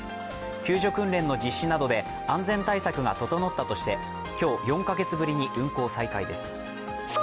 救助訓練の実施などで安全対策が整ったとして今日、４か月ぶりに運航再開です。